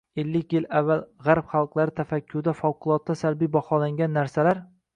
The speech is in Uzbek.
Ellik yil avval g‘arb xalqlari tafakkurida favqulodda salbiy baholangan narsalar